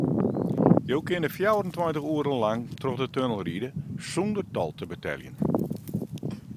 Jo kinne fjouwerentweintich oere lang troch de tunnel ride sûnder tol te beteljen.